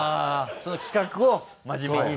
その企画を真面目に。